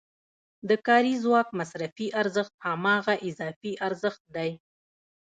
د کاري ځواک مصرفي ارزښت هماغه اضافي ارزښت دی